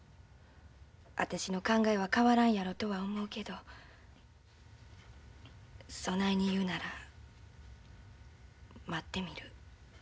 私の考えは変わらんやろとは思うけどそないに言うなら待ってみる。